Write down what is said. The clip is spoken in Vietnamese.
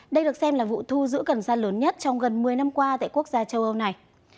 đây được xem là vụ thu giữ cần xa lớn nhất trong gần một mươi năm qua tại quốc gia châu âu này